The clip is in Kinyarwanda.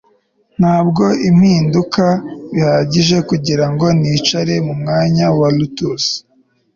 Ntabwo mpinduka bihagije kugirango nicare mumwanya wa lotus